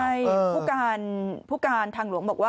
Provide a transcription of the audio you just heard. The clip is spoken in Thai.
ใช่ผู้การผู้การทางหลวงบอกว่าว่า